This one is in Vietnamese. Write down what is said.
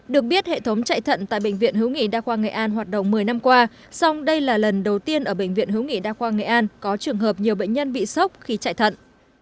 được biết hệ thống chạy thận tại bệnh viện hữu nghị đa khoa nghệ an hoạt động một mươi năm qua song đây là lần đầu tiên ở bệnh viện hữu nghị đa khoa nghệ an có trường hợp nhiều bệnh nhân bị sốc khi chạy thận